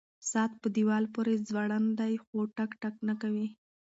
ساعت په دیوال پورې ځوړند دی خو ټک ټک نه کوي.